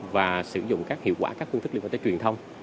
và sử dụng các hiệu quả các phương thức liên quan tới truyền thông